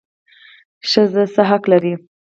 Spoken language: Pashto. ښځه څه حق لري؟